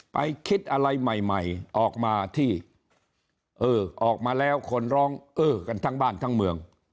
ไปคิดอะไรใหม่ใหม่ออกมาที่เออออกมาแล้วคนร้องเออกันทั้งบ้านทั้งเมือง